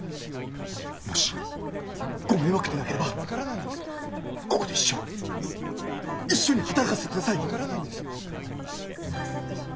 もしご迷惑でなければここで一生一緒に働かせてください！